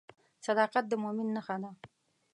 صداقت د مؤمن نښه ده.